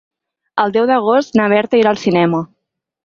El deu d'agost na Berta irà al cinema.